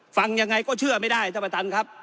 ฟังยังไงก็เชื่อไม่ได้ท่านประธานครับ